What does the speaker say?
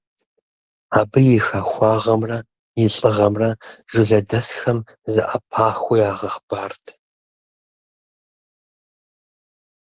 Абы и хахуагъэмрэ и лӀыгъэмрэ жылэдэсхэм зэӀэпахыу ягъэхъыбарырт.